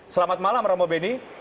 selamat malam romo benny